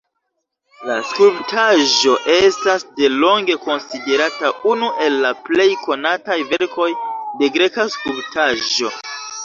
La skulptaĵo estas delonge konsiderata unu el la plej konataj verkoj de greka skulptaĵo.